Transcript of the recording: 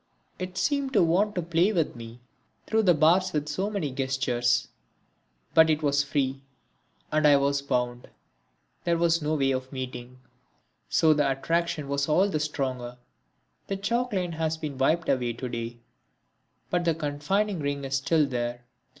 It seemed to want to play with me through the bars with so many gestures. But it was free and I was bound there was no way of meeting. So the attraction was all the stronger. The chalk line has been wiped away to day, but the confining ring is still there.